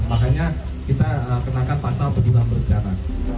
makanya kita kenakan pasal pembunuhan berencana